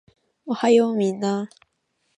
おはようみんなー